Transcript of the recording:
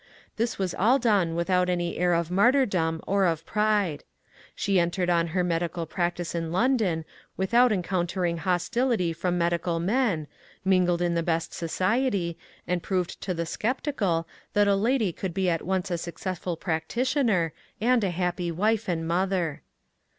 This was all done without any air of martyrdom or of pride. She entered on her medical prac tice in London without encountering hostility from medical men, mingled in the best society, and proved* to the sceptical that a lady could be at once a successful practitioner and a happy wife and mother.